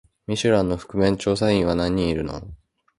ミシュランの覆面調査員は何人いるの？